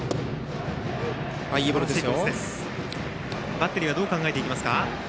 バッテリーはどう考えていきますか。